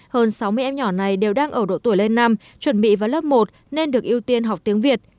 hơn sáu mươi em nhỏ này đều đang ở độ tuổi lên năm chuẩn bị vào lớp một nên được ưu tiên học tiếng việt